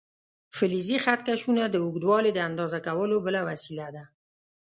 فلزي خط کشونه د اوږدوالي د اندازه کولو بله وسیله ده.